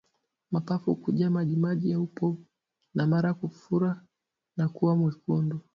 Mapafu kujaa majimaji au povu na mara kufura na kuwa mekundu